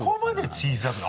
小さいな！